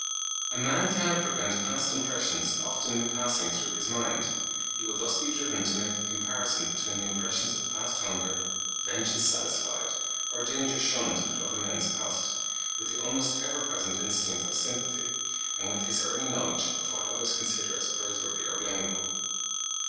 A man cannot prevent past impressions often repassing through his mind; he will thus be driven to make a comparison between the impressions of past hunger, vengeance satisfied, or danger shunned at other men's cost, with the almost ever present instinct of sympathy, and with his early knowledge of what others consider as praiseworthy or blameable.